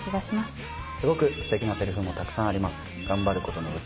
すごくステキなセリフもたくさんあります。